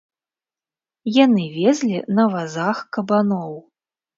Яны везлі на вазах кабаноў.